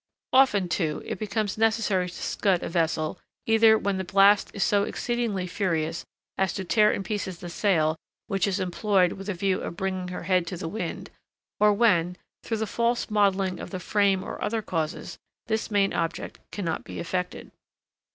Often, too, it becomes necessary to scud a vessel, either when the blast is so exceedingly furious as to tear in pieces the sail which is employed with a view of bringing her head to the wind, or when, through the false modelling of the frame or other causes, this main object cannot be effected.